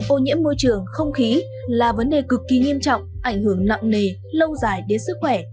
ô nhiễm môi trường không khí là vấn đề cực kỳ nghiêm trọng ảnh hưởng nặng nề lâu dài đến sức khỏe